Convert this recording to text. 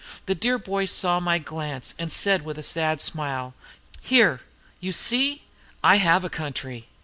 The dear old boy saw my glance, and said, with a sad smile, 'Here, you see, I have a country!'